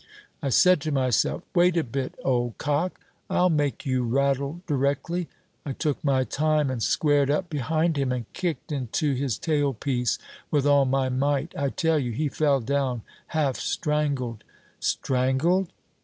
I said to myself, 'Wait a bit, old cock, I'll make you rattle directly!' I took my time and squared up behind him, and kicked into his tailpiece with all my might. I tell you, he fell down half strangled." "Strangled?"